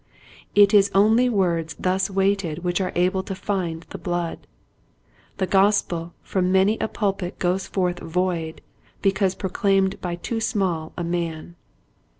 It is only words thus weighted which are able to find the blood. The Gospel from many a pulpit goes forth void because proclaimed by too small a man.